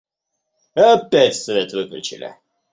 Опять свет выключили.